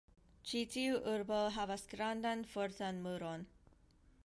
Ĉi tiu urbo havas grandan fortan muron.